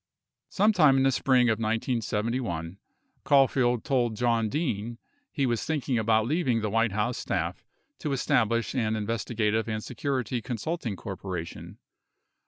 34 Sometime in the spring of 1971, Caulfield told John Dean he was thinking about leaving the White House staff to establish an in vestigative and security consulting corporation.